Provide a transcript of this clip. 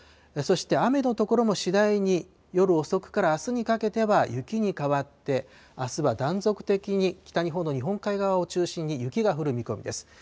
そして、雨の所も次第に夜遅くからあすにかけては雪に変わって、あすは断続的に北日本の日本海側を中心に雪が降る見込みです。